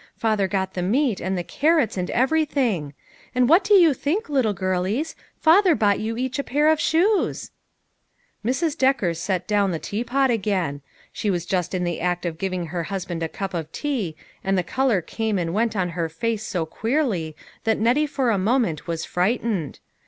Father got the meat, and the carrots, nd everything. And LONG STORIES TO TELL. 133 what do you think, little girlies, father bought you each a pair of shoes !" Mrs. Decker set down the teapot again. She was just in the act of giving her husband a cup of tea, and the color came and went on her face so queerly that Nettie for a moment was fright ened.